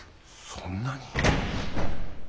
そんなに？